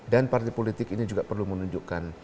dan partai politik ini juga perlu menunjukkan